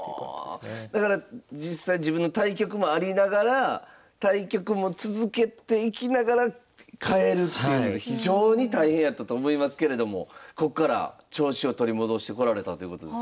だから実際自分の対局もありながら対局も続けていきながら変えるっていうのは非常に大変やったと思いますけれどもこっから調子を取り戻してこられたということですね。